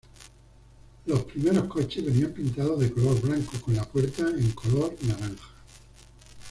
Los primeros coches venían pintados de color blanco con las puertas en color naranja.